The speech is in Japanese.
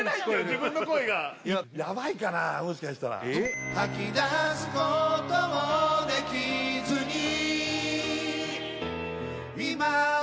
自分の声がヤバいかなもしかしたら吐き出すこともできずに・あっえっ？